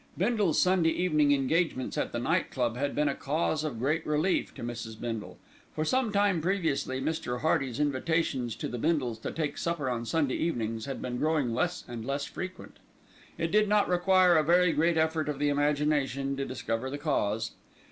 Bindle's Sunday evening engagements at the Night Club had been a cause of great relief to Mrs. Bindle. For some time previously Mr. Hearty's invitations to the Bindles to take supper on Sunday evenings had been growing less and less frequent. It did not require a very great effort of the imagination to discover the cause.